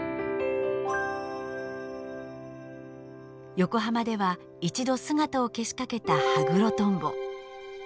横浜では一度姿を消しかけたハグロトンボ。